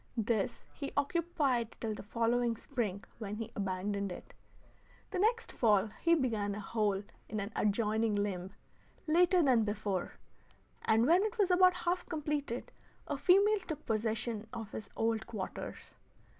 This he occupied till the following spring when he abandoned it. The next fall he began a hole in an adjoining limb, later than before, and when it was about half completed a female took possession of his old quarters.